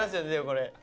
これ。